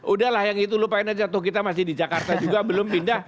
udahlah yang itu lupain aja tuh kita masih di jakarta juga belum pindah